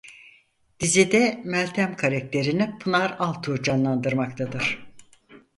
Dizide "Meltem" karakterini Pınar Altuğ canlandırmaktadır.